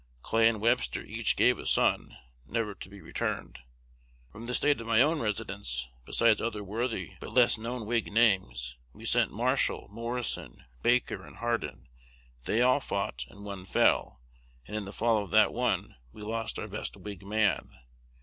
Clay and Webster each gave a son, never to be returned. From the State of my own residence, besides other worthy but less known Whig names, we sent Marshall, Morrison, Baker, and Hardin: they all fought, and one fell, and in the fall of that one we lost our best Whig man.